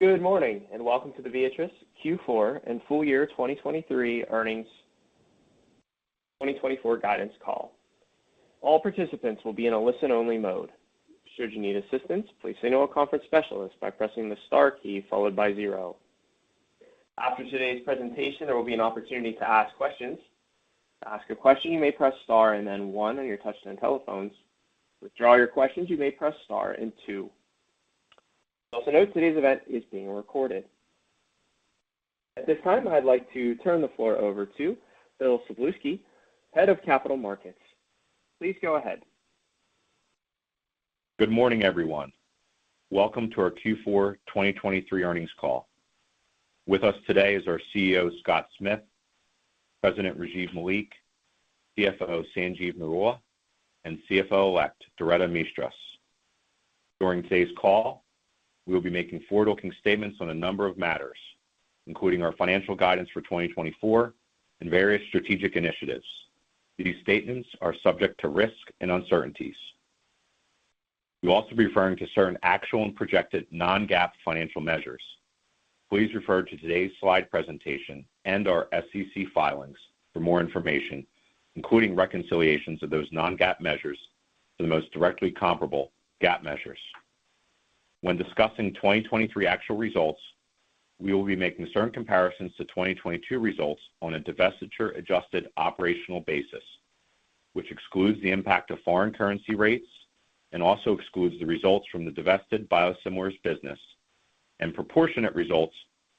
Good morning and welcome to the Viatris Q4 2024 guidance call. All participants will be in a listen-only mode. Should you need assistance, please signal a conference specialist by pressing the star key followed by zero. After today's presentation, there will be an opportunity to ask questions. To ask a question, you may press star and then one on your touchscreen telephones. Withdraw your questions, you may press star and two. Also note, today's event is being recorded. At this time, I'd like to turn the floor over to Bill Szablewski, Head of Capital Markets. Please go ahead. Good morning, everyone. Welcome to our Q4 2023 earnings call. With us today is our CEO, Scott Smith; President, Rajiv Malik; CFO, Sanjeev Narula; and CFO-elect, Doretta Mistras. During today's call, we will be making forward-looking statements on a number of matters, including our financial guidance for 2024 and various strategic initiatives. These statements are subject to risk and uncertainties. We will also be referring to certain actual and projected non-GAAP financial measures. Please refer to today's slide presentation and our SEC filings for more information, including reconciliations of those non-GAAP measures to the most directly comparable GAAP measures. When discussing 2023 actual results, we will be making certain comparisons to 2022 results on a divestiture-adjusted operational basis, which excludes the impact of foreign currency rates and also excludes the results from the divested biosimilars business and proportionate results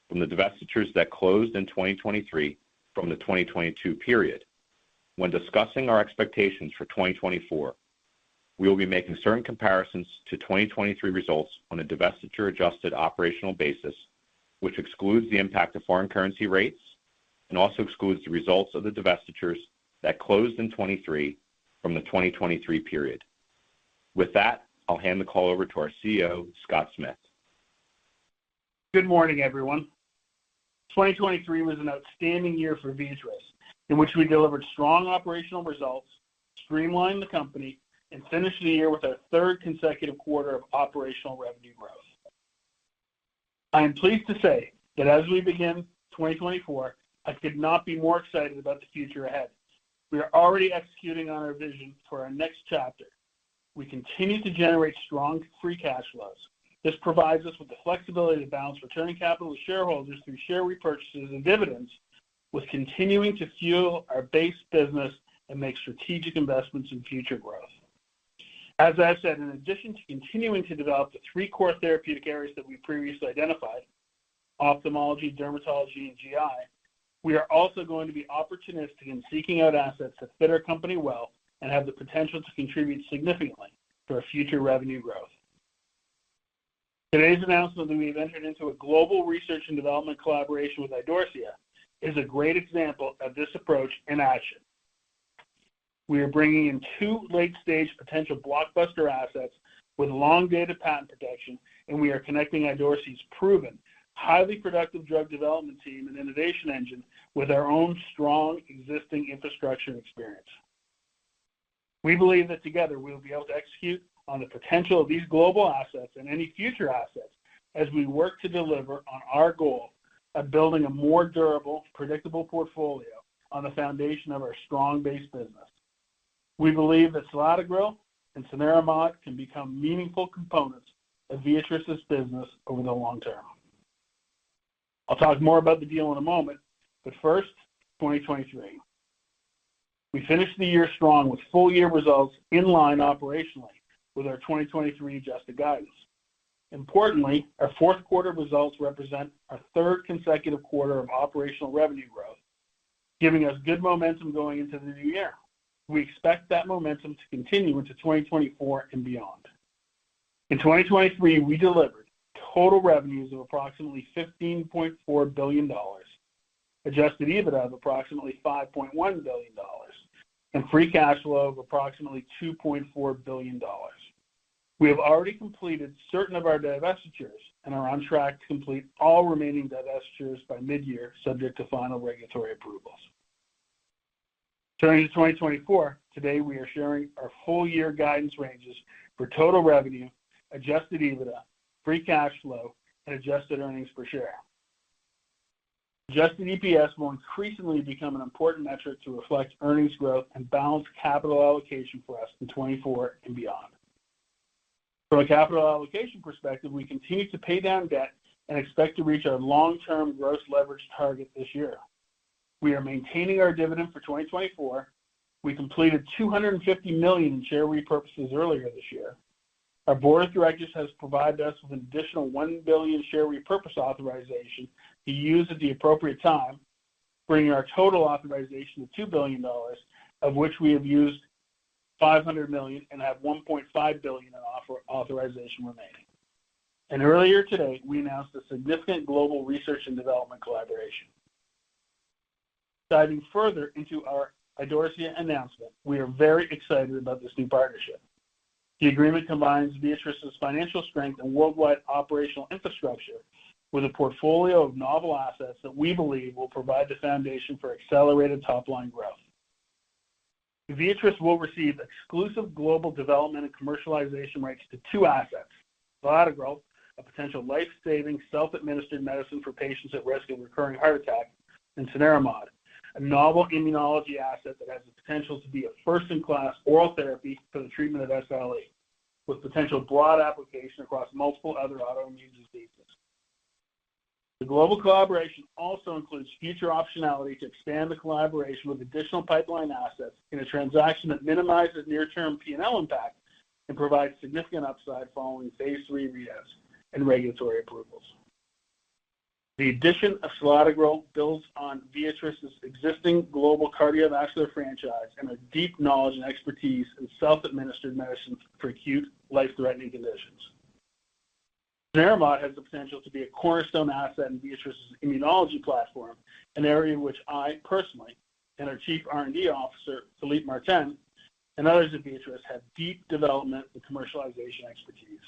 from the divestitures that closed in 2023 from the 2022 period. When discussing our expectations for 2024, we will be making certain comparisons to 2023 results on a divestiture-adjusted operational basis, which excludes the impact of foreign currency rates and also excludes the results of the divestitures that closed in 2023 from the 2023 period. With that, I'll hand the call over to our CEO, Scott Smith. Good morning, everyone. 2023 was an outstanding year for Viatris, in which we delivered strong operational results, streamlined the company, and finished the year with our third consecutive quarter of operational revenue growth. I am pleased to say that as we begin 2024, I could not be more excited about the future ahead. We are already executing on our vision for our next chapter. We continue to generate strong free cash flows. This provides us with the flexibility to balance returning capital with shareholders through share repurchases and dividends, with continuing to fuel our base business and make strategic investments in future growth. As I've said, in addition to continuing to develop the three core therapeutic areas that we previously identified, ophthalmology, dermatology, and GI, we are also going to be opportunistic in seeking out assets that fit our company well and have the potential to contribute significantly to our future revenue growth. Today's announcement that we have entered into a global research and development collaboration with Idorsia is a great example of this approach in action. We are bringing in two late-stage potential blockbuster assets with long-dated patent protection, and we are connecting Idorsia's proven, highly productive drug development team and innovation engine with our own strong existing infrastructure experience. We believe that together we will be able to execute on the potential of these global assets and any future assets as we work to deliver on our goal of building a more durable, predictable portfolio on the foundation of our strong base business. We believe that selatogrel and cenerimod can become meaningful components of Viatris' business over the long term. I'll talk more about the deal in a moment, but first, 2023. We finished the year strong with full-year results in line operationally with our 2023-adjusted guidance. Importantly, our fourth quarter results represent our third consecutive quarter of operational revenue growth, giving us good momentum going into the new year. We expect that momentum to continue into 2024 and beyond. In 2023, we delivered total revenues of approximately $15.4 billion, adjusted EBITDA of approximately $5.1 billion, and free cash flow of approximately $2.4 billion. We have already completed certain of our divestitures and are on track to complete all remaining divestitures by mid-year, subject to final regulatory approvals. Turning to 2024, today we are sharing our full-year guidance ranges for total revenue, adjusted EBITDA, free cash flow, and adjusted earnings per share. Adjusted EPS will increasingly become an important metric to reflect earnings growth and balance capital allocation for us in 2024 and beyond. From a capital allocation perspective, we continue to pay down debt and expect to reach our long-term gross leverage target this year. We are maintaining our dividend for 2024. We completed $250 million in share repurchases earlier this year. Our board of directors has provided us with an additional $1 billion share repurchase authorization to use at the appropriate time, bringing our total authorization to $2 billion, of which we have used $500 million and have $1.5 billion in authorization remaining. And earlier today, we announced a significant global research and development collaboration. Diving further into our Idorsia announcement, we are very excited about this new partnership. The agreement combines Viatris' financial strength and worldwide operational infrastructure with a portfolio of novel assets that we believe will provide the foundation for accelerated top-line growth. Viatris will receive exclusive global development and commercialization rights to two assets: selatogrel, a potential lifesaving self-administered medicine for patients at risk of recurring heart attack, and cenerimod, a novel immunology asset that has the potential to be a first-in-class oral therapy for the treatment of SLE, with potential broad application across multiple other autoimmune diseases. The global collaboration also includes future optionality to expand the collaboration with additional pipeline assets in a transaction that minimizes near-term P&L impact and provides significant upside following phase III readouts and regulatory approvals. The addition of selatogrel builds on Viatris' existing global cardiovascular franchise and our deep knowledge and expertise in self-administered medicine for acute, life-threatening conditions. Cenerimod has the potential to be a cornerstone asset in Viatris' immunology platform, an area in which I personally and our Chief R&D Officer, Philippe Martin, and others at Viatris have deep development and commercialization expertise.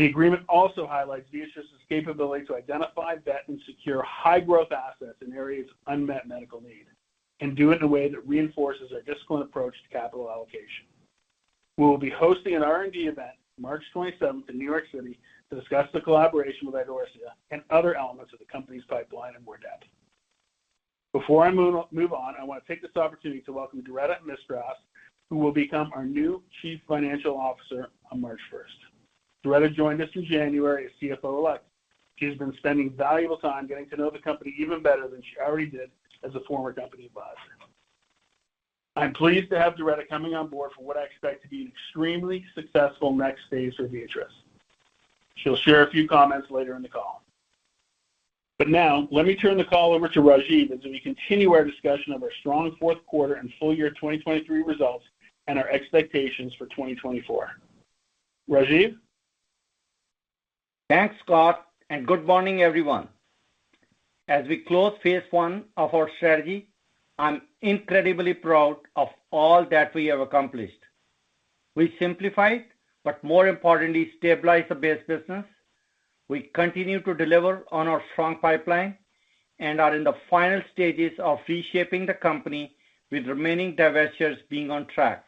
The agreement also highlights Viatris' capability to identify vet and secure high-growth assets in areas of unmet medical need and do it in a way that reinforces our disciplined approach to capital allocation. We will be hosting an R&D event March 27th in New York City to discuss the collaboration with Idorsia and other elements of the company's pipeline and more debt. Before I move on, I want to take this opportunity to welcome Doretta Mistras, who will become our new Chief Financial Officer on March 1st. Doretta joined us in January as CFO-elect. She has been spending valuable time getting to know the company even better than she already did as a former company advisor. I'm pleased to have Doretta coming on board for what I expect to be an extremely successful next phase for Viatris. She'll share a few comments later in the call. But now, let me turn the call over to Rajiv as we continue our discussion of our strong fourth quarter and full year 2023 results and our expectations for 2024. Rajiv? Thanks, Scott, and good morning, everyone. As we close phase one of our strategy, I'm incredibly proud of all that we have accomplished. We simplified, but more importantly, stabilized the base business. We continue to deliver on our strong pipeline and are in the final stages of reshaping the company with remaining divestitures being on track.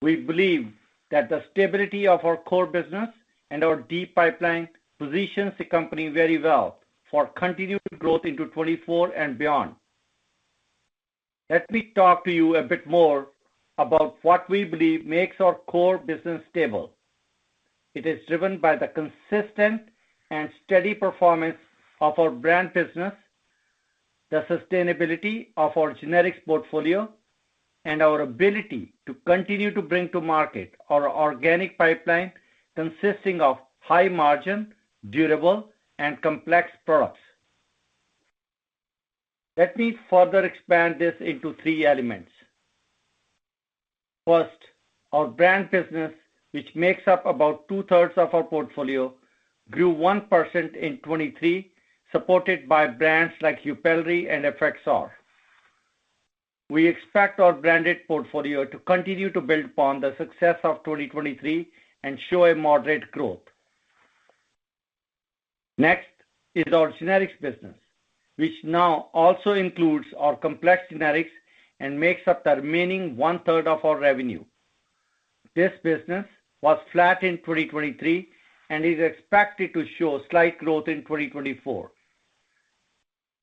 We believe that the stability of our core business and our deep pipeline positions the company very well for continued growth into 2024 and beyond. Let me talk to you a bit more about what we believe makes our core business stable. It is driven by the consistent and steady performance of our brand business, the sustainability of our generics portfolio, and our ability to continue to bring to market our organic pipeline consisting of high-margin, durable, and complex products. Let me further expand this into three elements. First, our brand business, which makes up about two-thirds of our portfolio, grew 1% in 2023, supported by brands like Yupelri and Effexor. We expect our branded portfolio to continue to build upon the success of 2023 and show a moderate growth. Next is our generics business, which now also includes our complex generics and makes up the remaining one-third of our revenue. This business was flat in 2023 and is expected to show slight growth in 2024.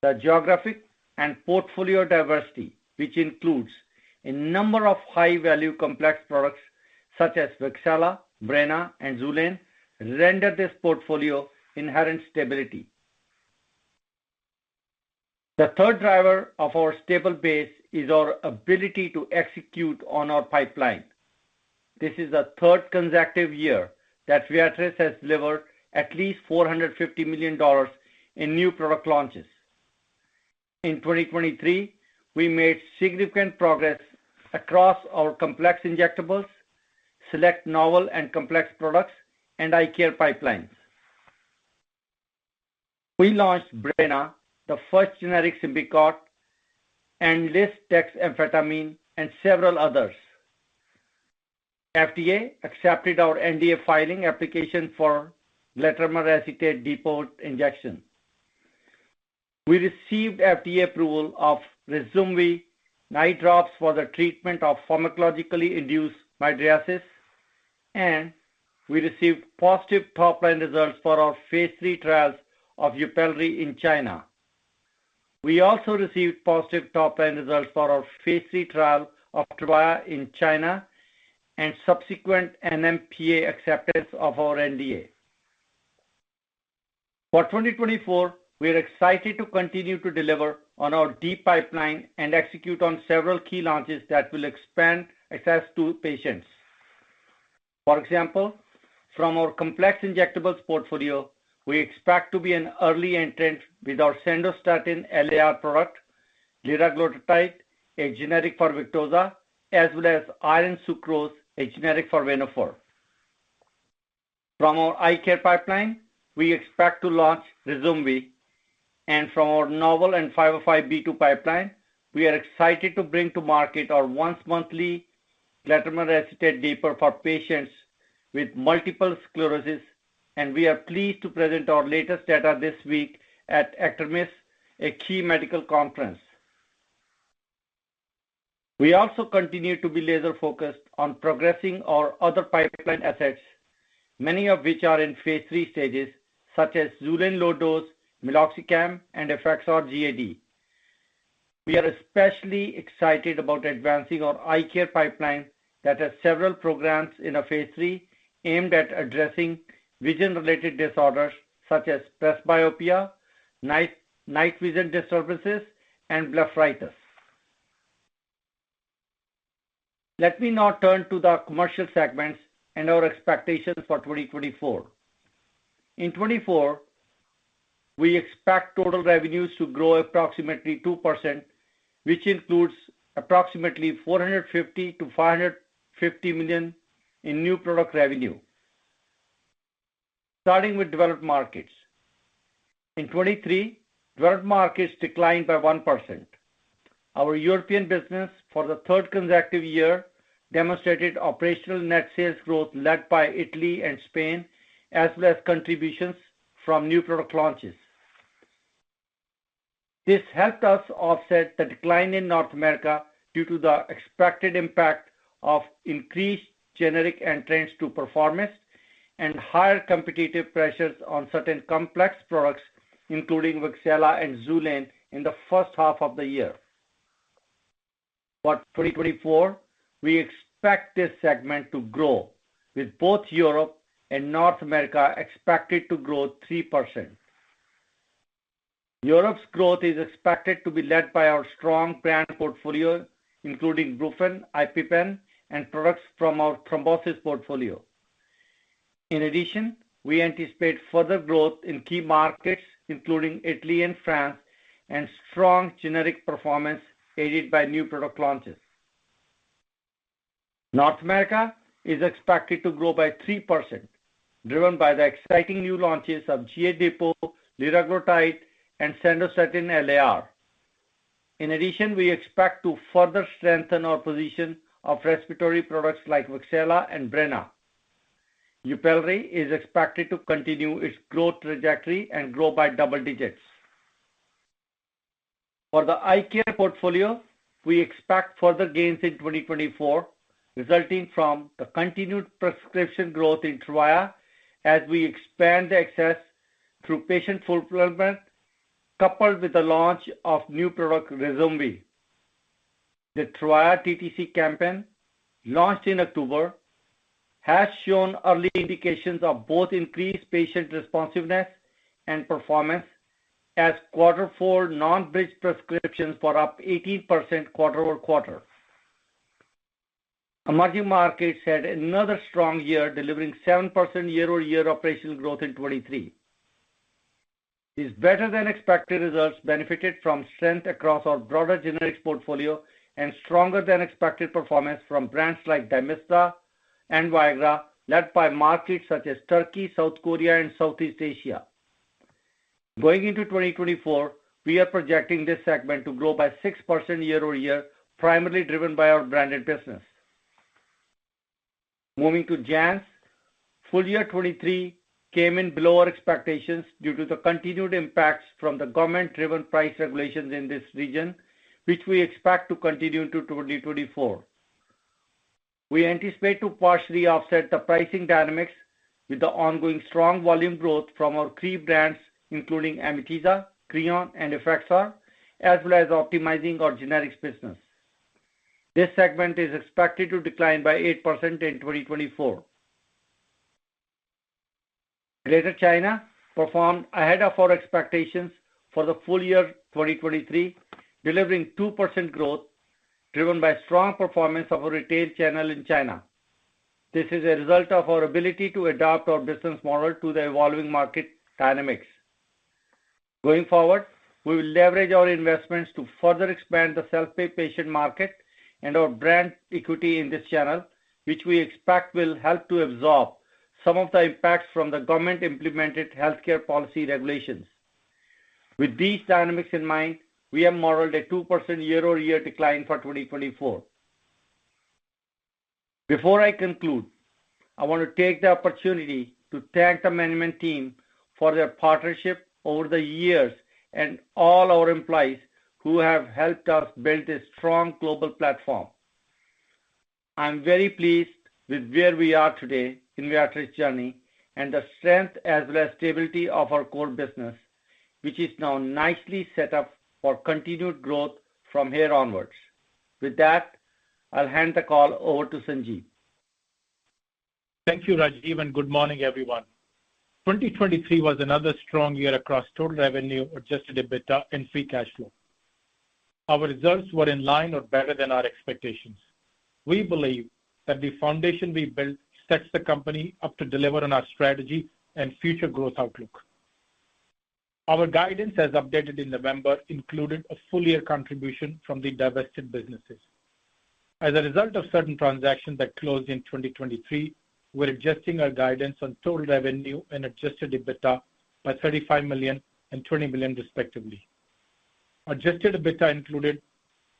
The geographic and portfolio diversity, which includes a number of high-value complex products such as Wixela, Breyna, and Xulane, render this portfolio inherent stability. The third driver of our stable base is our ability to execute on our pipeline. This is the third consecutive year that Viatris has delivered at least $450 million in new product launches. In 2023, we made significant progress across our complex injectables, select novel and complex products, and eye care pipelines. We launched Breyna, the first generic Symbicort, and lisdexamfetamine, and several others. FDA accepted our NDA filing application for glatiramer acetate depot injection. We received FDA approval of Ryzumvi eye drops for the treatment of pharmacologically induced mydriasis, and we received positive top-line results for our phase III trials of liraglutide in China. We also received positive top-line results for our phase III trial of Tyrvaya in China and subsequent NMPA acceptance of our NDA. For 2024, we are excited to continue to deliver on our deep pipeline and execute on several key launches that will expand access to patients. For example, from our complex injectables portfolio, we expect to be an early entrant with our Sandostatin LAR product, liraglutide, a generic for Victoza, as well as iron sucrose, a generic for Venofer. From our eye care pipeline, we expect to launch Ryzumvi. From our novel and 505(b)(2) pipeline, we are excited to bring to market our once-monthly glatiramer acetate depot for patients with multiple sclerosis, and we are pleased to present our latest data this week at ACTRIMS, a key medical conference. We also continue to be laser-focused on progressing our other pipeline assets, many of which are in phase three stages, such as Xulane low-dose, meloxicam, and Effexor GAD. We are especially excited about advancing our eye care pipeline that has several programs in phase three aimed at addressing vision-related disorders such as presbyopia, night vision disturbances, and blepharitis. Let me now turn to the commercial segments and our expectations for 2024. In 2024, we expect total revenues to grow approximately 2%, which includes approximately $450 million-$550 million in new product revenue, starting with developed markets. In 2023, developed markets declined by 1%. Our European business for the third consecutive year demonstrated operational net sales growth led by Italy and Spain, as well as contributions from new product launches. This helped us offset the decline in North America due to the expected impact of increased generic entrants to performance and higher competitive pressures on certain complex products, including Wixela and Xulane, in the first half of the year. For 2024, we expect this segment to grow, with both Europe and North America expected to grow 3%. Europe's growth is expected to be led by our strong brand portfolio, including Brufen, EpiPen, and products from our thrombosis portfolio. In addition, we anticipate further growth in key markets, including Italy and France, and strong generic performance aided by new product launches. North America is expected to grow by 3%, driven by the exciting new launches of GA depot, Liraglutide, and Sandostatin LAR. In addition, we expect to further strengthen our position of respiratory products like Wixela and Breyna. EpiPen is expected to continue its growth trajectory and grow by double digits. For the eye care portfolio, we expect further gains in 2024, resulting from the continued prescription growth in TYRVAYA as we expand the access through patient fulfillment coupled with the launch of new product RYZUMVI. The TYRVAYA DTC campaign, launched in October, has shown early indications of both increased patient responsiveness and performance, as Q4 non-bridge prescriptions were up 18% quarter-over-quarter. Emerging markets had another strong year, delivering 7% year-over-year operational growth in 2023. These better-than-expected results benefited from strength across our broader generics portfolio and stronger-than-expected performance from brands like Dymista and Viagra, led by markets such as Turkey, South Korea, and Southeast Asia. Going into 2024, we are projecting this segment to grow by 6% year-over-year, primarily driven by our branded business. Moving to JANZ, full year 2023 came in below our expectations due to the continued impacts from the government-driven price regulations in this region, which we expect to continue into 2024. We anticipate to partially offset the pricing dynamics with the ongoing strong volume growth from our three brands, including Amitiza, Creon, and Effexor, as well as optimizing our generics business. This segment is expected to decline by 8% in 2024. Greater China performed ahead of our expectations for the full year 2023, delivering 2% growth, driven by strong performance of our retail channel in China. This is a result of our ability to adapt our business model to the evolving market dynamics. Going forward, we will leverage our investments to further expand the self-pay patient market and our brand equity in this channel, which we expect will help to absorb some of the impacts from the government-implemented healthcare policy regulations. With these dynamics in mind, we have modeled a 2% year-over-year decline for 2024. Before I conclude, I want to take the opportunity to thank the management team for their partnership over the years and all our employees who have helped us build a strong global platform. I'm very pleased with where we are today in Viatris' journey and the strength as well as stability of our core business, which is now nicely set up for continued growth from here onwards. With that, I'll hand the call over to Sanjeev. Thank you, Rajiv, and good morning, everyone. 2023 was another strong year across total revenue, adjusted EBITDA, and free cash flow. Our results were in line or better than our expectations. We believe that the foundation we built sets the company up to deliver on our strategy and future growth outlook. Our guidance, as updated in November, included a full-year contribution from the divested businesses. As a result of certain transactions that closed in 2023, we're adjusting our guidance on total revenue and adjusted EBITDA by $35 million and $20 million, respectively. Adjusted EBITDA included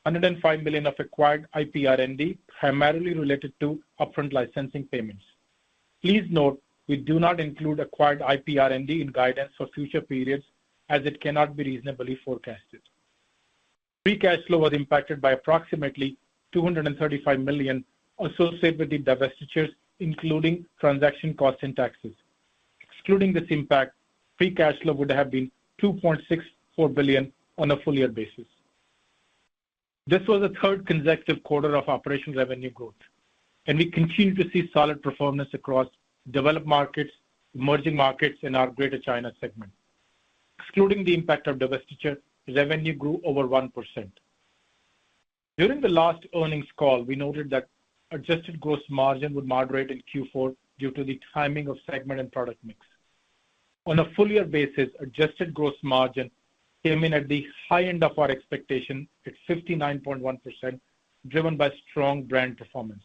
$105 million of acquired IP R&D, primarily related to upfront licensing payments. Please note, we do not include acquired IP R&D in guidance for future periods as it cannot be reasonably forecasted. Free cash flow was impacted by approximately $235 million associated with the divestitures, including transaction costs and taxes. Excluding this impact, free cash flow would have been $2.64 billion on a full-year basis. This was the third consecutive quarter of operational revenue growth, and we continue to see solid performance across developed markets, emerging markets, and our Greater China segment. Excluding the impact of divestiture, revenue grew over 1%. During the last earnings call, we noted that adjusted gross margin would moderate in Q4 due to the timing of segment and product mix. On a full-year basis, adjusted gross margin came in at the high end of our expectation at 59.1%, driven by strong brand performance.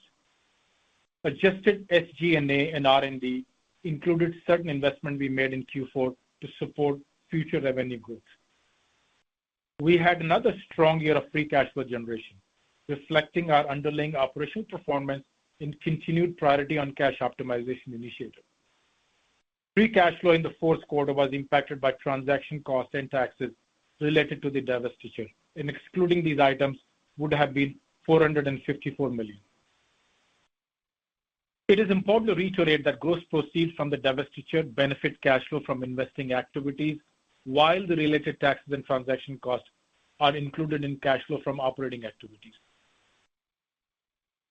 Adjusted SG&A and R&D included certain investments we made in Q4 to support future revenue growth. We had another strong year of free cash flow generation, reflecting our underlying operational performance in continued priority on cash optimization initiatives. Free cash flow in the fourth quarter was impacted by transaction costs and taxes related to the divestiture. Excluding these items, it would have been $454 million. It is important to reiterate that gross proceeds from the divestiture benefit cash flow from investing activities, while the related taxes and transaction costs are included in cash flow from operating activities.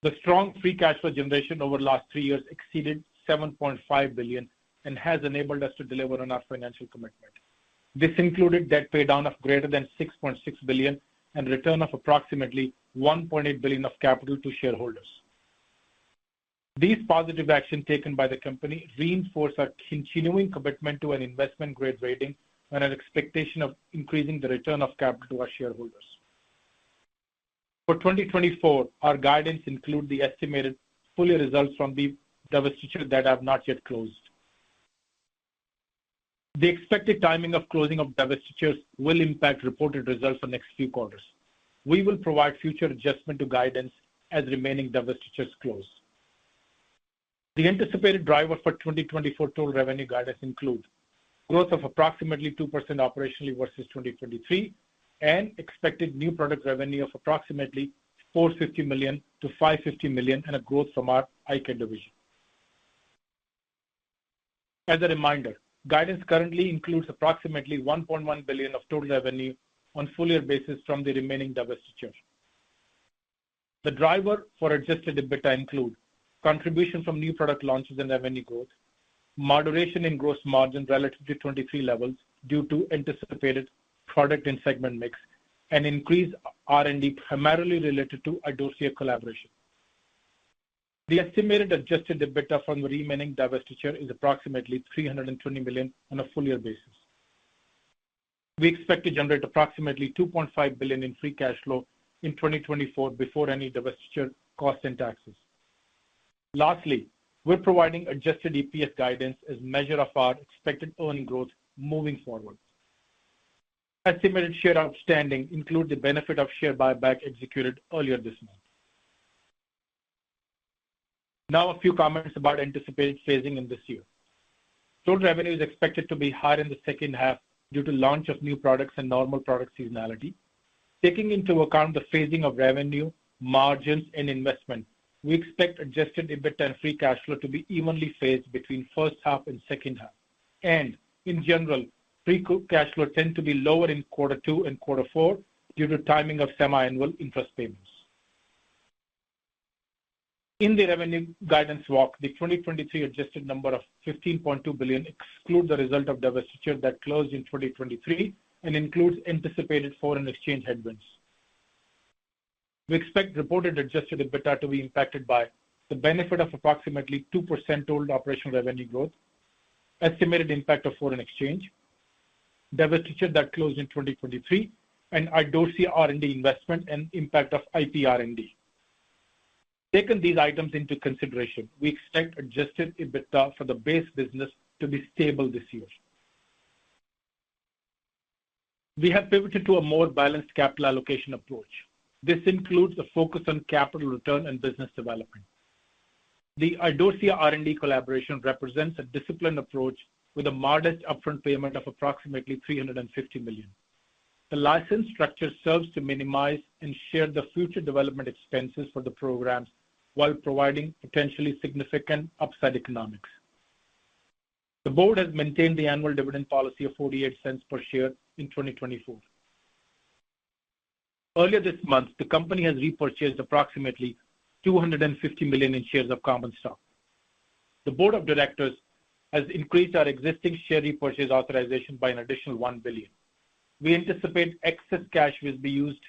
The strong free cash flow generation over the last three years exceeded $7.5 billion and has enabled us to deliver on our financial commitment. This included debt paydown of greater than $6.6 billion and return of approximately $1.8 billion of capital to shareholders. These positive actions taken by the company reinforce our continuing commitment to an investment-grade rating and our expectation of increasing the return of capital to our shareholders. For 2024, our guidance includes the estimated full-year results from the divestiture that have not yet closed. The expected timing of closing of divestitures will impact reported results for the next few quarters. We will provide future adjustments to guidance as remaining divestitures close. The anticipated drivers for 2024 total revenue guidance include growth of approximately 2% operationally versus 2023 and expected new product revenue of approximately $450 million-$550 million, and a growth from our eye care division. As a reminder, guidance currently includes approximately $1.1 billion of total revenue on a full-year basis from the remaining divestiture. The drivers for Adjusted EBITDA include contribution from new product launches and revenue growth, moderation in gross margin relative to 2023 levels due to anticipated product and segment mix, and increased R&D primarily related to Idorsia collaboration. The estimated Adjusted EBITDA from the remaining divestiture is approximately $320 million on a full-year basis. We expect to generate approximately $2.5 billion in free cash flow in 2024 before any divestiture costs and taxes. Lastly, we're providing adjusted EPS guidance as a measure of our expected earning growth moving forward. Estimated share outstanding includes the benefit of share buyback executed earlier this month. Now, a few comments about anticipated phasing in this year. Total revenue is expected to be higher in the second half due to launch of new products and normal product seasonality. Taking into account the phasing of revenue, margins, and investment, we expect adjusted EBITDA and free cash flow to be evenly phased between first half and second half. In general, free cash flow tends to be lower in quarter two and quarter four due to timing of semiannual interest payments. In the revenue guidance walk, the 2023 adjusted number of $15.2 billion excludes the result of divestiture that closed in 2023 and includes anticipated foreign exchange headwinds. We expect reported adjusted EBITDA to be impacted by the benefit of approximately 2% total operational revenue growth, estimated impact of foreign exchange, divestiture that closed in 2023, and Idorsia R&D investment and impact of IP R&D. Taking these items into consideration, we expect adjusted EBITDA for the base business to be stable this year. We have pivoted to a more balanced capital allocation approach. This includes a focus on capital return and business development. The Idorsia R&D collaboration represents a disciplined approach with a modest upfront payment of approximately $350 million. The license structure serves to minimize and share the future development expenses for the programs while providing potentially significant upside economics. The board has maintained the annual dividend policy of $0.48 per share in 2024. Earlier this month, the company has repurchased approximately $250 million in shares of Common Stock. The board of directors has increased our existing share repurchase authorization by an additional $1 billion. We anticipate excess cash will be used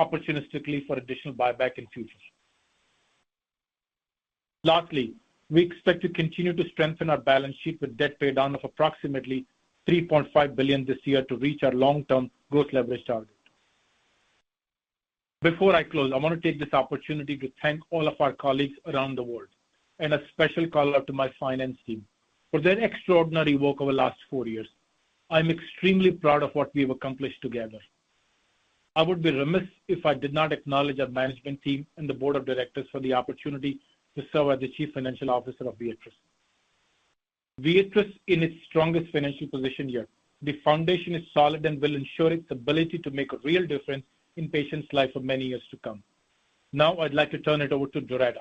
opportunistically for additional buyback in future. Lastly, we expect to continue to strengthen our balance sheet with debt paydown of approximately $3.5 billion this year to reach our long-term gross leverage target. Before I close, I want to take this opportunity to thank all of our colleagues around the world and a special call-out to my finance team. For their extraordinary work over the last four years, I'm extremely proud of what we have accomplished together. I would be remiss if I did not acknowledge our management team and the board of directors for the opportunity to serve as the Chief Financial Officer of Viatris. Viatris, in its strongest financial position yet. The foundation is solid and will ensure its ability to make a real difference in patients' lives for many years to come. Now, I'd like to turn it over to Doretta.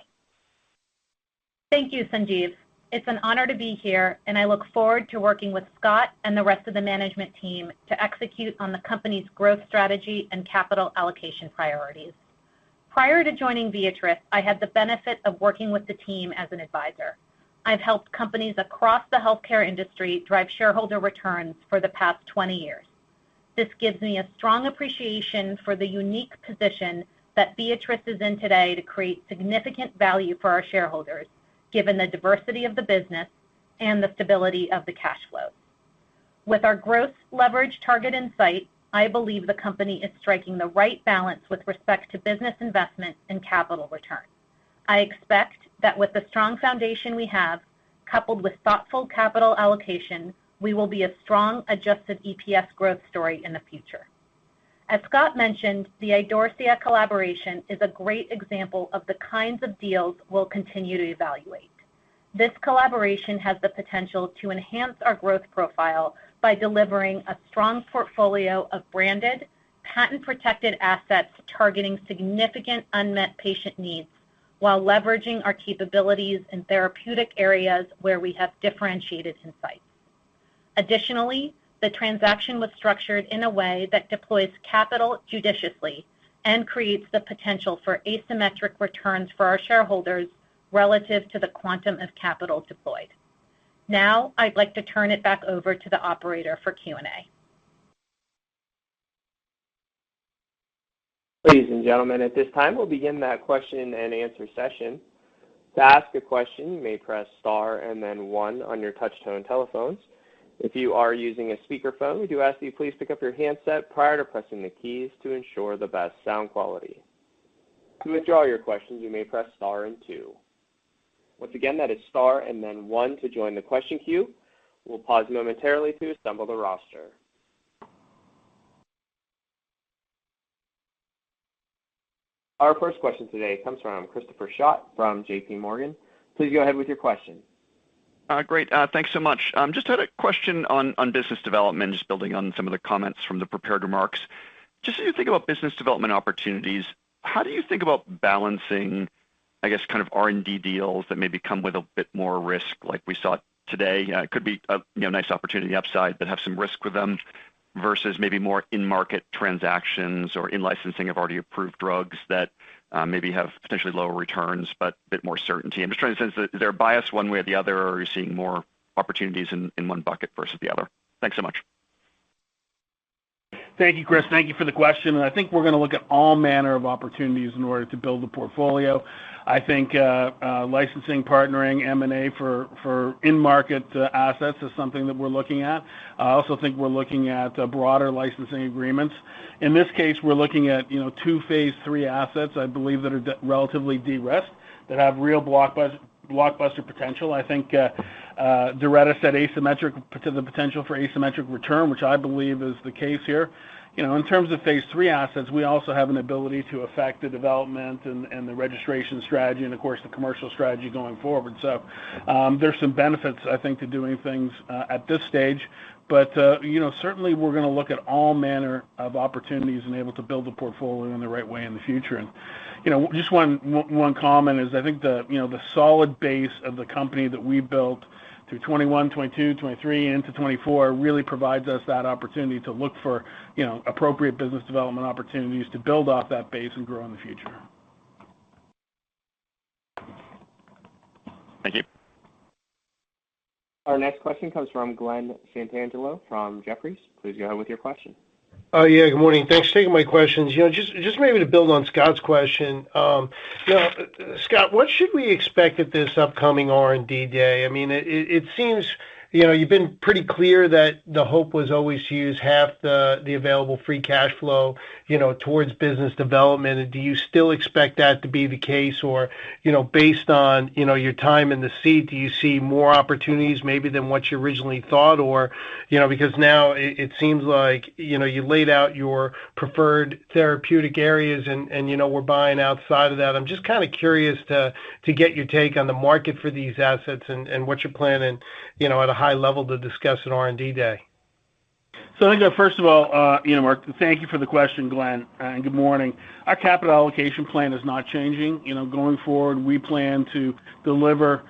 Thank you, Sanjeev. It's an honor to be here, and I look forward to working with Scott and the rest of the management team to execute on the company's growth strategy and capital allocation priorities. Prior to joining Viatris, I had the benefit of working with the team as an advisor. I've helped companies across the healthcare industry drive shareholder returns for the past 20 years. This gives me a strong appreciation for the unique position that Viatris is in today to create significant value for our shareholders, given the diversity of the business and the stability of the cash flows. With our gross leverage target in sight, I believe the company is striking the right balance with respect to business investment and capital return. I expect that with the strong foundation we have, coupled with thoughtful capital allocation, we will be a strong Adjusted EPS growth story in the future. As Scott mentioned, the Idorsia collaboration is a great example of the kinds of deals we'll continue to evaluate. This collaboration has the potential to enhance our growth profile by delivering a strong portfolio of branded, patent-protected assets targeting significant unmet patient needs while leveraging our capabilities in therapeutic areas where we have differentiated insights. Additionally, the transaction was structured in a way that deploys capital judiciously and creates the potential for asymmetric returns for our shareholders relative to the quantum of capital deployed. Now, I'd like to turn it back over to the operator for Q&A. Ladies and gentlemen, at this time, we'll begin that question and answer session. To ask a question, you may press star and then one on your touch-tone telephones. If you are using a speakerphone, we do ask that you please pick up your handset prior to pressing the keys to ensure the best sound quality. To withdraw your questions, you may press star and two. Once again, that is star and then one to join the question queue. We'll pause momentarily to assemble the roster. Our first question today comes from Christopher Schott from JPMorgan. Please go ahead with your question. Great. Thanks so much. Just had a question on business development, just building on some of the comments from the prepared remarks. Just as you think about business development opportunities, how do you think about balancing, I guess, kind of R&D deals that maybe come with a bit more risk like we saw today? It could be a nice opportunity upside but have some risk with them versus maybe more in-market transactions or in-licensing of already approved drugs that maybe have potentially lower returns but a bit more certainty. I'm just trying to sense, is there a bias one way or the other, or are you seeing more opportunities in one bucket versus the other? Thanks so much. Thank you, Chris. Thank you for the question. I think we're going to look at all manner of opportunities in order to build the portfolio. I think licensing, partnering, M&A for in-market assets is something that we're looking at. I also think we're looking at broader licensing agreements. In this case, we're looking at 2 phase III assets, I believe, that are relatively de-risked, that have real blockbuster potential. I think Doretta said the potential for asymmetric return, which I believe is the case here. In terms of phase III assets, we also have an ability to affect the development and the registration strategy and, of course, the commercial strategy going forward. So there's some benefits, I think, to doing things at this stage. But certainly, we're going to look at all manner of opportunities and be able to build the portfolio in the right way in the future. Just one comment is I think the solid base of the company that we built through 2021, 2022, 2023, and into 2024 really provides us that opportunity to look for appropriate business development opportunities to build off that base and grow in the future. Thank you. Our next question comes from Glenn Santangelo from Jefferies. Please go ahead with your question. Yeah. Good morning. Thanks for taking my questions. Just maybe to build on Scott's question, Scott, what should we expect at this upcoming R&D day? I mean, it seems you've been pretty clear that the hope was always to use half the available free cash flow towards business development. And do you still expect that to be the case? Or based on your time in the seat, do you see more opportunities maybe than what you originally thought? Because now, it seems like you laid out your preferred therapeutic areas, and we're buying outside of that. I'm just kind of curious to get your take on the market for these assets and what you're planning, at a high level, to discuss at R&D day. So I think that, first of all, Mark, thank you for the question, Glen, and good morning. Our capital allocation plan is not changing. Going forward, we plan to deliver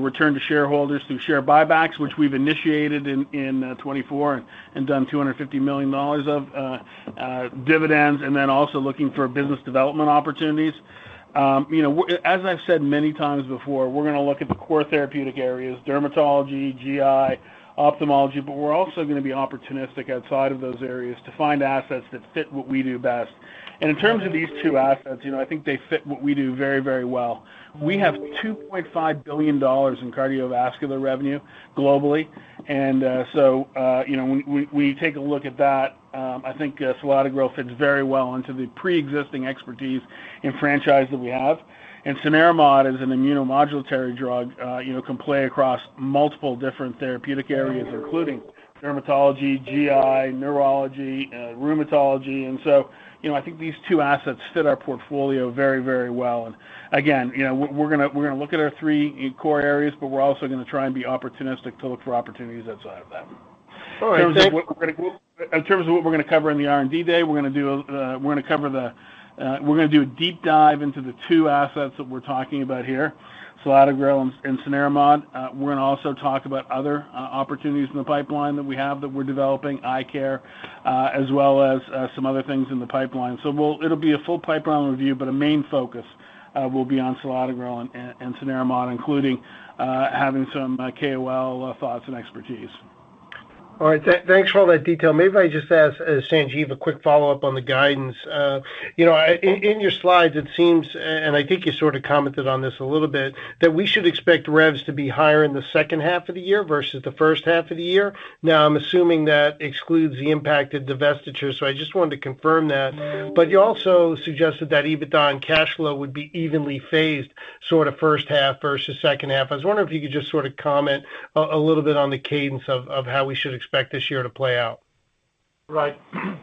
return to shareholders through share buybacks, which we've initiated in 2024 and done $250 million of dividends, and then also looking for business development opportunities. As I've said many times before, we're going to look at the core therapeutic areas: dermatology, GI, ophthalmology. But we're also going to be opportunistic outside of those areas to find assets that fit what we do best. And in terms of these two assets, I think they fit what we do very, very well. We have $2.5 billion in cardiovascular revenue globally. And so when we take a look at that, I think selatogrel fits very well into the preexisting expertise and franchise that we have. And cenerimod is an immunomodulatory drug that can play across multiple different therapeutic areas, including dermatology, GI, neurology, rheumatology. And so I think these two assets fit our portfolio very, very well. And again, we're going to look at our three core areas, but we're also going to try and be opportunistic to look for opportunities outside of them. All right. Thanks. In terms of what we're going to cover in the R&D day, we're going to do a deep dive into the two assets that we're talking about here: selatogrel and cenerimod. We're going to also talk about other opportunities in the pipeline that we have that we're developing, eye care, as well as some other things in the pipeline. So it'll be a full pipeline review, but a main focus will be on selatogrel and cenerimod, including having some KOL thoughts and expertise. All right. Thanks for all that detail. Maybe I just ask Sanjeev a quick follow-up on the guidance. In your slides, it seems—and I think you sort of commented on this a little bit—that we should expect revs to be higher in the second half of the year versus the first half of the year. Now, I'm assuming that excludes the impacted divestiture, so I just wanted to confirm that. But you also suggested that EBITDA and cash flow would be evenly phased sort of first half versus second half. I was wondering if you could just sort of comment a little bit on the cadence of how we should expect this year to play out. Right.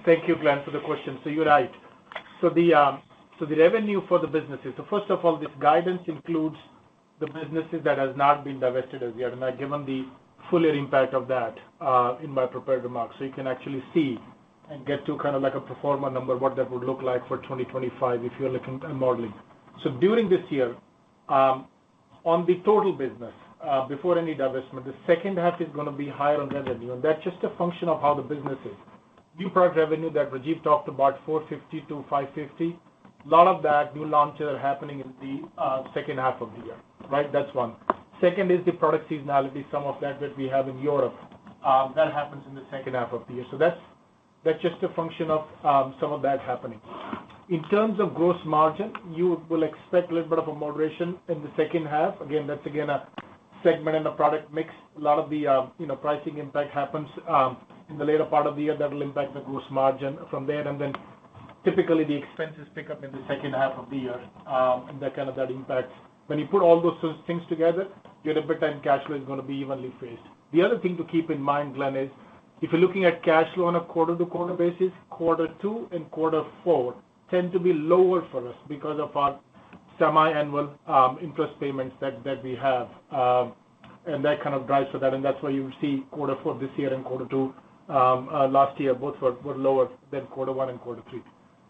Thank you, Glen, for the question. So you're right. So the revenue for the businesses so first of all, this guidance includes the businesses that have not been divested as yet, and I've given the fuller impact of that in my prepared remarks. So you can actually see and get to kind of like a performer number, what that would look like for 2025 if you're looking at modeling. So during this year, on the total business before any divestment, the second half is going to be higher on revenue. And that's just a function of how the business is. New product revenue that Rajiv talked about, $450 million-$550 million, a lot of that new launches are happening in the second half of the year, right? That's one. Second is the product seasonality, some of that that we have in Europe. That happens in the second half of the year. So that's just a function of some of that happening. In terms of gross margin, you will expect a little bit of a moderation in the second half. Again, that's again a segment and a product mix. A lot of the pricing impact happens in the later part of the year. That will impact the gross margin from there. And then typically, the expenses pick up in the second half of the year, and that kind of that impacts. When you put all those things together, your EBITDA and cash flow is going to be evenly phased. The other thing to keep in mind, Glen, is if you're looking at cash flow on a quarter-to-quarter basis, quarter two and quarter four tend to be lower for us because of our semi-annual interest payments that we have. That kind of drives for that. That's why you would see quarter four this year and quarter two last year, both were lower than quarter one and quarter three.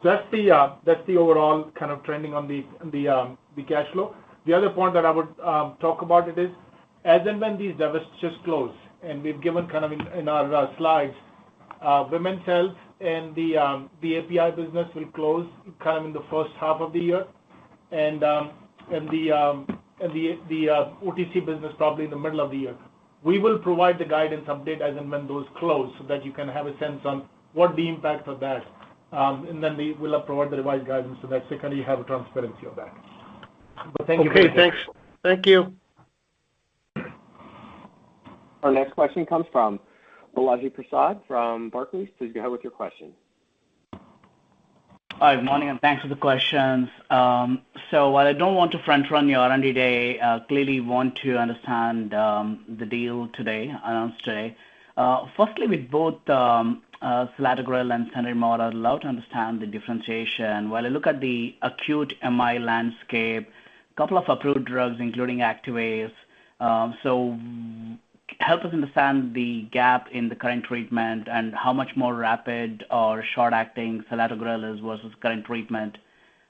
That's the overall kind of trending on the cash flow. The other point that I would talk about is as and when these divestitures close, and we've given kind of in our slides, women's health and the API business will close kind of in the first half of the year, and the OTC business probably in the middle of the year. We will provide the guidance update as and when those close so that you can have a sense on what the impact of that is. We will provide the revised guidance so that, secondly, you have a transparency of that. Thank you, Glen. Okay. Thanks. Thank you. Our next question comes from Balaji Prasad from Barclays. Please go ahead with your question. Hi. Good morning, and thanks for the questions. So while I don't want to front-run the R&D day, I clearly want to understand the deal announced today. Firstly, with both selatogrel and cenerimod, I'd love to understand the differentiation. While I look at the acute MI landscape, a couple of approved drugs, including Activase, so help us understand the gap in the current treatment and how much more rapid or short-acting selatogrel is versus current treatment.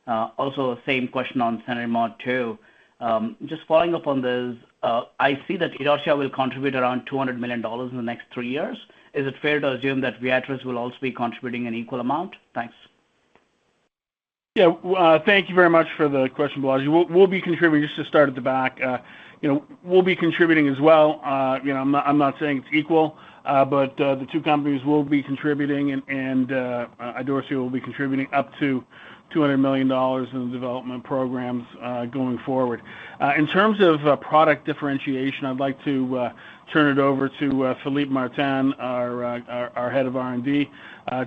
Also, same question on cenerimod too. Just following up on this, I see that Idorsia will contribute around $200 million in the next three years. Is it fair to assume that Viatris will also be contributing an equal amount? Thanks. Yeah. Thank you very much for the question, Balaji. We'll be contributing. Just to start at the back, we'll be contributing as well. I'm not saying it's equal, but the two companies will be contributing, and Idorsia will be contributing up to $200 million in the development programs going forward. In terms of product differentiation, I'd like to turn it over to Philippe Martin, our head of R&D,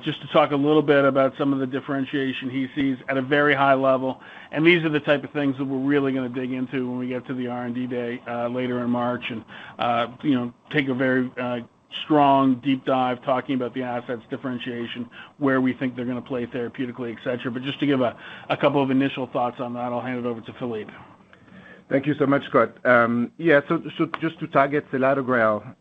just to talk a little bit about some of the differentiation he sees at a very high level. And these are the type of things that we're really going to dig into when we get to the R&D day later in March and take a very strong deep dive talking about the assets differentiation, where we think they're going to play therapeutically, etc. But just to give a couple of initial thoughts on that, I'll hand it over to Philippe. Thank you so much, Scott. Yeah. So just to target selatogrel,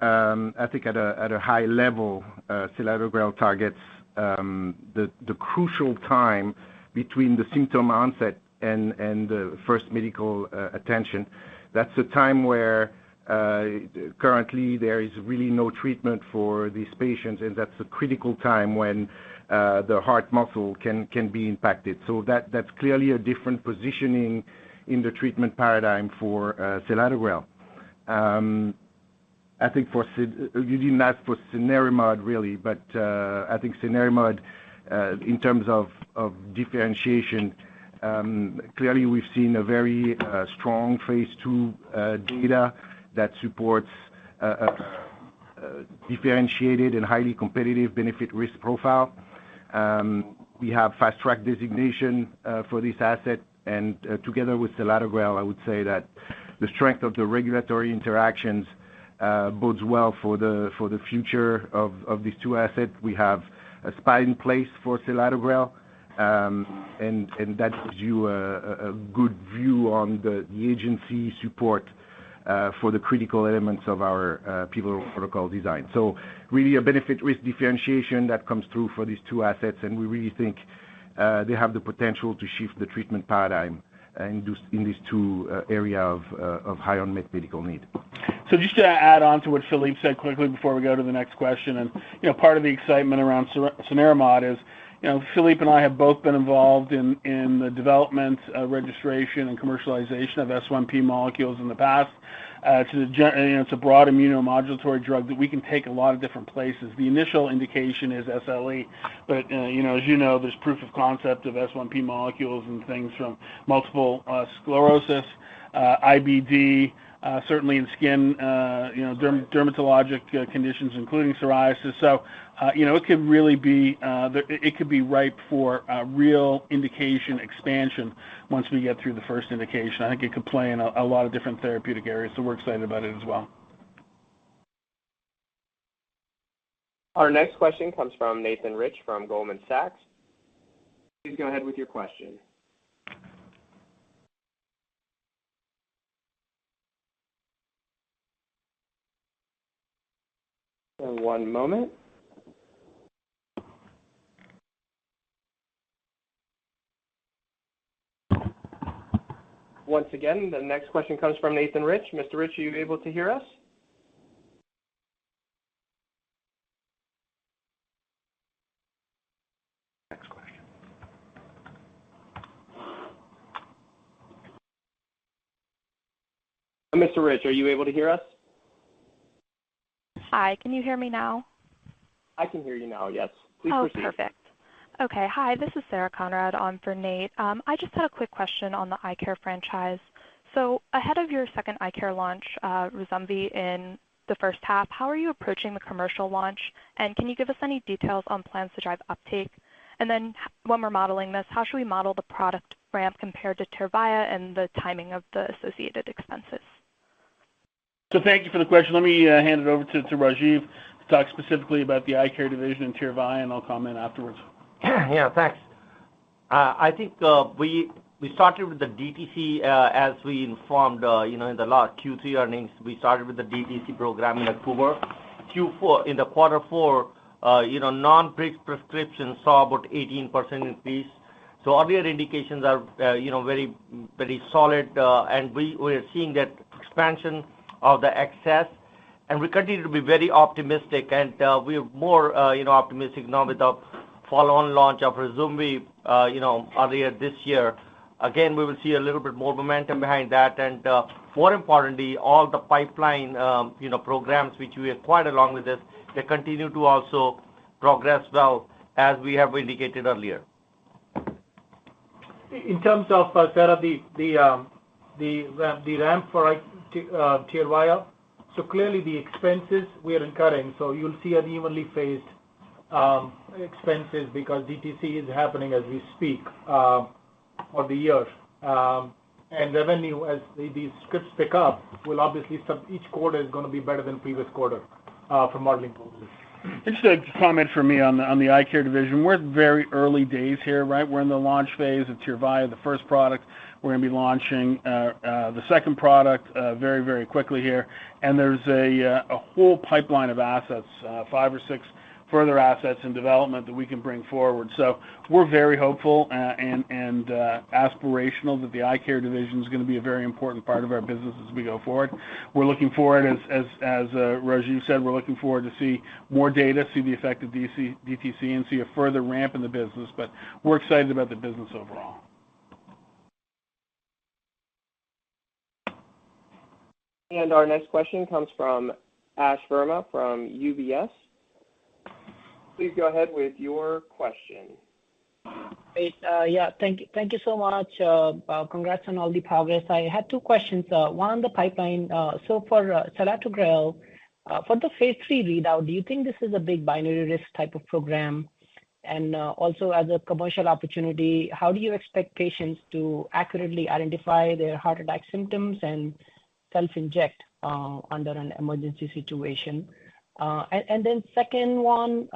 I think at a high level, selatogrel targets the crucial time between the symptom onset and the first medical attention. That's the time where currently, there is really no treatment for these patients, and that's the critical time when the heart muscle can be impacted. So that's clearly a different positioning in the treatment paradigm for selatogrel. I think you didn't ask for cenerimod, really, but I think cenerimod, in terms of differentiation, clearly, we've seen a very strong phase II data that supports a differentiated and highly competitive benefit-risk profile. We have fast-track designation for this asset. And together with selatogrel, I would say that the strength of the regulatory interactions bodes well for the future of these two assets. We have a spot in place for selatogrel, and that gives you a good view on the agency support for the critical elements of our Pivotal Protocol design. Really, a benefit-risk differentiation that comes through for these two assets. We really think they have the potential to shift the treatment paradigm in these two areas of high unmet medical need. So just to add on to what Philippe said quickly before we go to the next question, and part of the excitement around cenerimod is Philippe and I have both been involved in the development, registration, and commercialization of S1P molecules in the past. It's a broad immunomodulatory drug that we can take a lot of different places. The initial indication is SLE. But as you know, there's proof of concept of S1P molecules and things from multiple sclerosis, IBD, certainly in skin, dermatologic conditions, including psoriasis. So it could really be ripe for real indication expansion once we get through the first indication. I think it could play in a lot of different therapeutic areas, so we're excited about it as well. Our next question comes from Nathan Rich from Goldman Sachs. Please go ahead with your question. One moment. Once again, the next question comes from Nathan Rich. Mr. Rich, are you able to hear us? Next question. Mr. Rich, are you able to hear us? Hi. Can you hear me now? I can hear you now, yes. Please proceed. Oh, perfect. Okay. Hi. This is Sarah Conrad on for Nate. I just had a quick question on the eye care franchise. So ahead of your second eye care launch, Ryzumvi, in the first half, how are you approaching the commercial launch? And can you give us any details on plans to drive uptake? And then when we're modeling this, how should we model the product ramp compared to Tyrvaya and the timing of the associated expenses? Thank you for the question. Let me hand it over to Rajiv to talk specifically about the eye care division in TYRVAYA, and I'll comment afterwards. Yeah. Thanks. I think we started with the DTC. As we informed in the last Q3 earnings, we started with the DTC program in October. In the quarter four, non-prescription saw about 18% increase. So earlier indications are very, very solid, and we are seeing that expansion of the excess. We continue to be very optimistic, and we are more optimistic now with the follow-on launch of Ryzumvi earlier this year. Again, we will see a little bit more momentum behind that. More importantly, all the pipeline programs which we acquired along with this, they continue to also progress well as we have indicated earlier. In terms of, Sarah, the ramp for TYRVAYA, so clearly the expenses we are incurring. So you'll see unevenly phased expenses because DTC is happening as we speak for the year. And revenue, as these scripts pick up, will obviously each quarter is going to be better than previous quarter for modeling purposes. Just a comment from me on the eye care division. We're in very early days here, right? We're in the launch phase of TYRVAYA, the first product. We're going to be launching the second product very, very quickly here. There's a whole pipeline of assets, five or six further assets in development that we can bring forward. We're very hopeful and aspirational that the eye care division is going to be a very important part of our business as we go forward. We're looking forward, as Rajiv said, we're looking forward to see more data, see the effect of DTC, and see a further ramp in the business. We're excited about the business overall. Our next question comes from Ash Verma from UBS. Please go ahead with your question. Yeah. Thank you so much. Congrats on all the progress. I had two questions. One on the pipeline. So for selatogrel, for the phase III readout, do you think this is a big binary risk type of program? And also, as a commercial opportunity, how do you expect patients to accurately identify their heart attack symptoms and self-inject under an emergency situation? And then second one,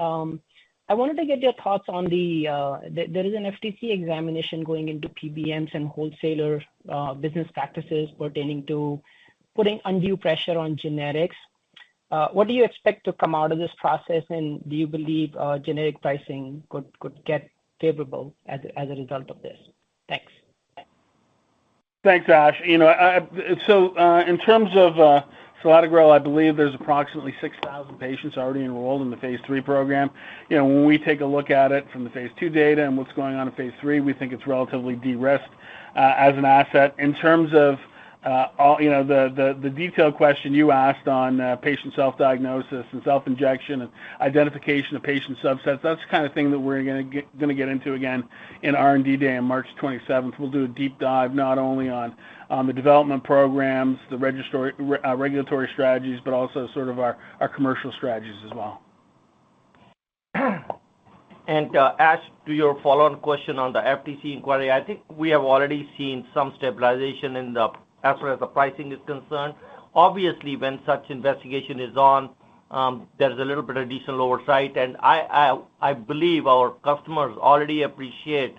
I wanted to get your thoughts on, there is an FTC examination going into PBMs and wholesaler business practices pertaining to putting undue pressure on generics. What do you expect to come out of this process, and do you believe generic pricing could get favorable as a result of this? Thanks. Thanks, Ash. So in terms of selatogrel, I believe there's approximately 6,000 patients already enrolled in the phase three program. When we take a look at it from the phase two data and what's going on in phase three, we think it's relatively de-risked as an asset. In terms of the detailed question you asked on patient self-diagnosis and self-injection and identification of patient subsets, that's the kind of thing that we're going to get into again in R&D day on March 27th. We'll do a deep dive not only on the development programs, the regulatory strategies, but also sort of our commercial strategies as well. And Ash, to your follow-on question on the FTC inquiry, I think we have already seen some stabilization as far as the pricing is concerned. Obviously, when such investigation is on, there's a little bit of decent oversight. And I believe our customers already appreciate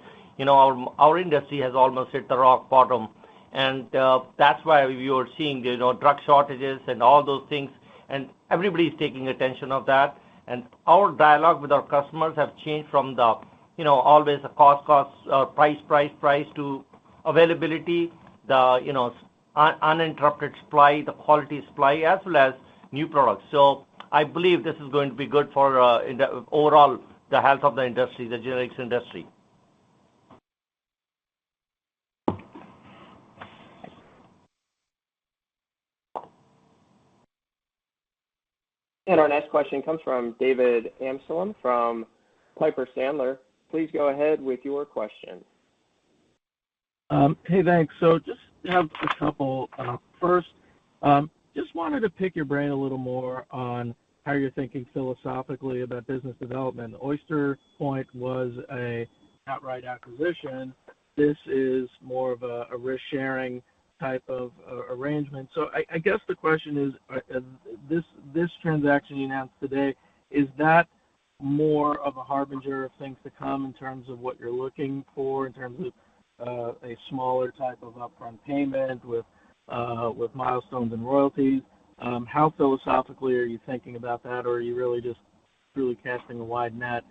our industry has almost hit the rock bottom. And that's why we were seeing drug shortages and all those things, and everybody's taking attention of that. And our dialogue with our customers has changed from always a cost, cost, price, price, price to availability, the uninterrupted supply, the quality supply, as well as new products. So I believe this is going to be good for overall the health of the industry, the generics industry. Our next question comes from David Amsellem from Piper Sandler. Please go ahead with your question. Hey. Thanks. So just have a couple first, just wanted to pick your brain a little more on how you're thinking philosophically about business development. Oyster Point was an outright acquisition. This is more of a risk-sharing type of arrangement. So I guess the question is, this transaction you announced today, is that more of a harbinger of things to come in terms of what you're looking for, in terms of a smaller type of upfront payment with milestones and royalties? How philosophically are you thinking about that, or are you really just truly casting a wide net?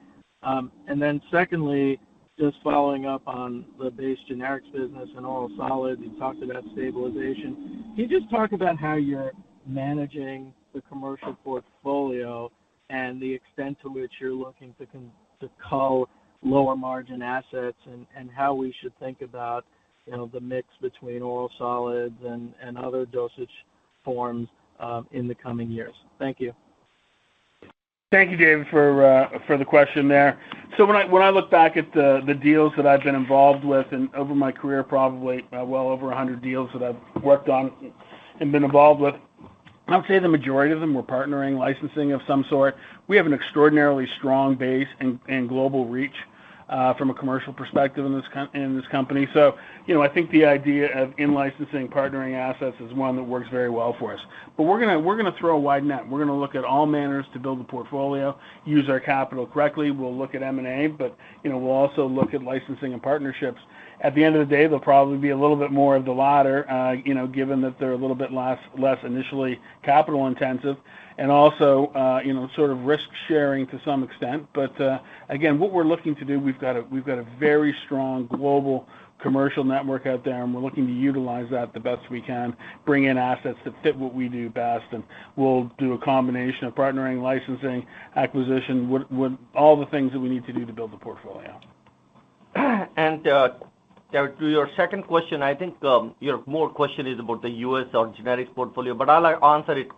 And then secondly, just following up on the base generics business and oral solids, you talked about stabilization. Can you just talk about how you're managing the commercial portfolio and the extent to which you're looking to cull lower-margin assets and how we should think about the mix between oral solids and other dosage forms in the coming years? Thank you. Thank you, David, for the question there. So when I look back at the deals that I've been involved with and over my career, probably well over 100 deals that I've worked on and been involved with, I would say the majority of them were partnering, licensing of some sort. We have an extraordinarily strong base and global reach from a commercial perspective in this company. So I think the idea of in-licensing partnering assets is one that works very well for us. But we're going to throw a wide net. We're going to look at all manners to build the portfolio, use our capital correctly. We'll look at M&A, but we'll also look at licensing and partnerships. At the end of the day, there'll probably be a little bit more of the latter given that they're a little bit less initially capital-intensive and also sort of risk-sharing to some extent. But again, what we're looking to do, we've got a very strong global commercial network out there, and we're looking to utilize that the best we can, bring in assets that fit what we do best. We'll do a combination of partnering, licensing, acquisition, all the things that we need to do to build the portfolio. To your second question, I think your more question is about the U.S. or generics portfolio, but I'll answer it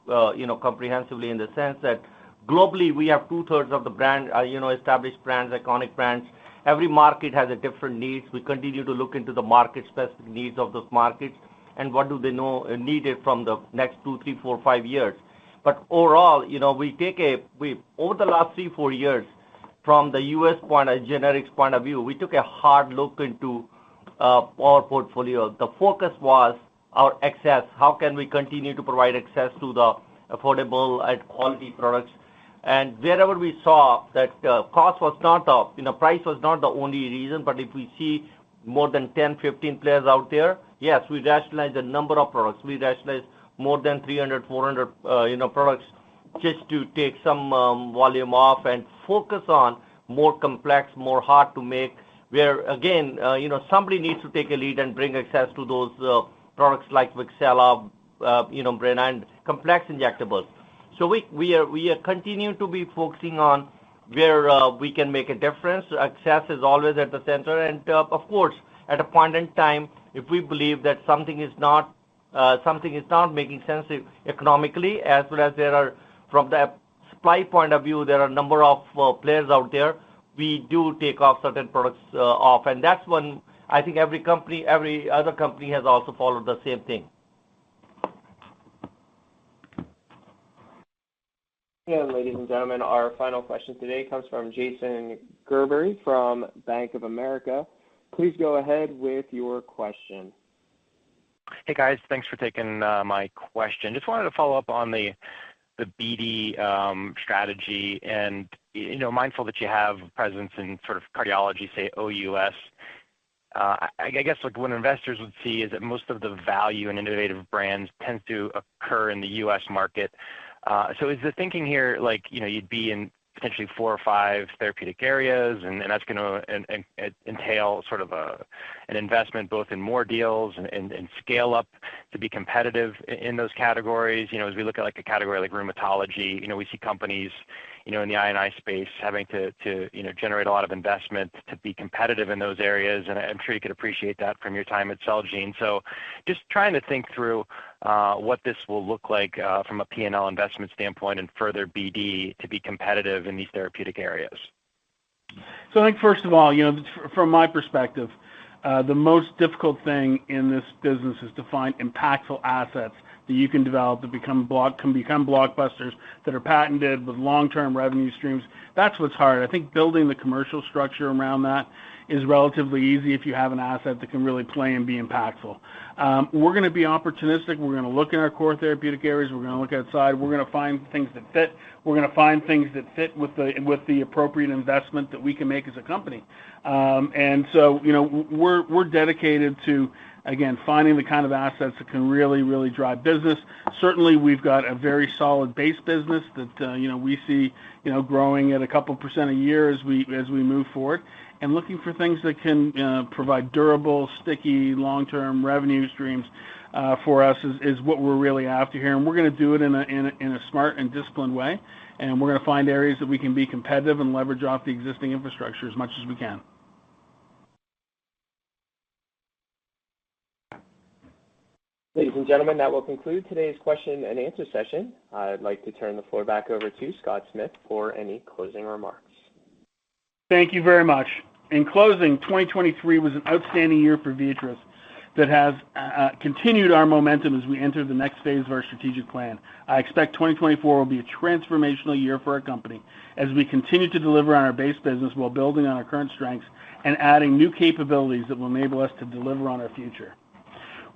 comprehensively in the sense that globally, we have two-thirds of the brand established brands, iconic brands. Every market has different needs. We continue to look into the market-specific needs of those markets and what do they need from the next two, three, four, five years. But overall, we take a over the last three, four years, from the U.S. generics point of view, we took a hard look into our portfolio. The focus was our excess. How can we continue to provide access to the affordable and quality products? And wherever we saw that cost was not the price was not the only reason, but if we see more than 10, 15 players out there, yes, we rationalize the number of products. We rationalize more than 300-400 products just to take some volume off and focus on more complex, more hard-to-make where, again, somebody needs to take a lead and bring access to those products like Wixela, Breyna, complex injectables. So we continue to be focusing on where we can make a difference. Access is always at the center. And of course, at a point in time, if we believe that something is not making sense economically, as well as there are from the supply point of view, there are a number of players out there, we do take off certain products off. And that's one I think every other company has also followed the same thing. Ladies and gentlemen, our final question today comes from Jason Gerberry from Bank of America. Please go ahead with your question. Hey, guys. Thanks for taking my question. Just wanted to follow up on the BD strategy and mindful that you have presence in sort of cardiology, say, OUS. I guess what investors would see is that most of the value in innovative brands tends to occur in the U.S. market. So is the thinking here you'd be in potentially four or five therapeutic areas, and that's going to entail sort of an investment both in more deals and scale up to be competitive in those categories? As we look at a category like rheumatology, we see companies in the I&I space having to generate a lot of investment to be competitive in those areas. And I'm sure you could appreciate that from your time at Celgene. So just trying to think through what this will look like from a P&L investment standpoint and further BD to be competitive in these therapeutic areas. So I think, first of all, from my perspective, the most difficult thing in this business is to find impactful assets that you can develop that can become blockbusters that are patented with long-term revenue streams. That's what's hard. I think building the commercial structure around that is relatively easy if you have an asset that can really play and be impactful. We're going to be opportunistic. We're going to look in our core therapeutic areas. We're going to look outside. We're going to find things that fit. We're going to find things that fit with the appropriate investment that we can make as a company. And so we're dedicated to, again, finding the kind of assets that can really, really drive business. Certainly, we've got a very solid base business that we see growing at a couple % a year as we move forward. Looking for things that can provide durable, sticky, long-term revenue streams for us is what we're really after here. We're going to do it in a smart and disciplined way. We're going to find areas that we can be competitive and leverage off the existing infrastructure as much as we can. Ladies and gentlemen, that will conclude today's question-and-answer session. I'd like to turn the floor back over to Scott Smith for any closing remarks. Thank you very much. In closing, 2023 was an outstanding year for Viatris that has continued our momentum as we enter the next phase of our strategic plan. I expect 2024 will be a transformational year for our company as we continue to deliver on our base business while building on our current strengths and adding new capabilities that will enable us to deliver on our future.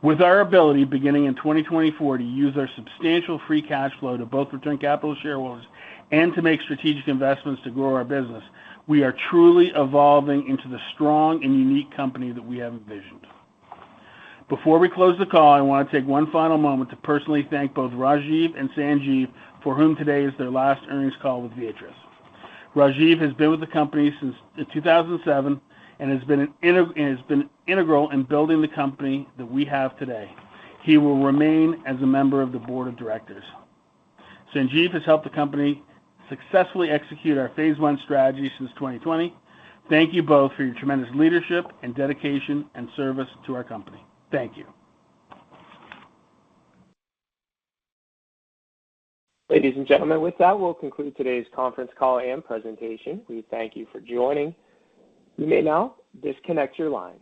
With our ability beginning in 2024 to use our substantial free cash flow to both return capital to shareholders and to make strategic investments to grow our business, we are truly evolving into the strong and unique company that we have envisioned. Before we close the call, I want to take one final moment to personally thank both Rajiv and Sanjeev, for whom today is their last earnings call with Viatris. Rajiv has been with the company since 2007 and has been integral in building the company that we have today. He will remain as a member of the board of directors. Sanjeev has helped the company successfully execute our phase one strategy since 2020. Thank you both for your tremendous leadership and dedication and service to our company. Thank you. Ladies and gentlemen, with that, we'll conclude today's conference call and presentation. We thank you for joining. You may now disconnect your lines.